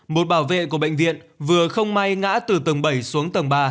một bảo vệ của bệnh viện vừa không may ngã từ tầng bảy xuống tầng ba